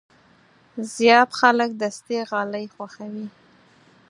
زیات خلک دستي غالۍ خوښوي.